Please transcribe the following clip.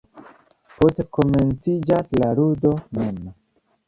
Poste komenciĝas la ludo mem.